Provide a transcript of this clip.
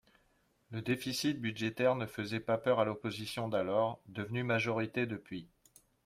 Le déficit budgétaire ne faisait pas peur à l’opposition d’alors, devenue majorité depuis.